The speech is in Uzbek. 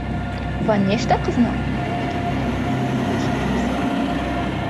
va nechchta qizni «o‘ragani»dan boshqa narsa yo‘q.